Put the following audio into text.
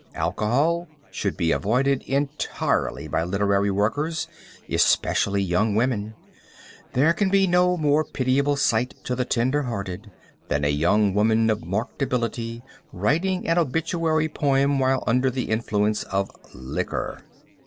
Alcohol should be avoided entirely by literary workers, especially young women. There can be no more pitiable sight to the tender hearted, than a young woman of marked ability writing an obituary poem while under the influence of liquor.